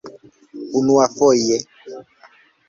unuafoje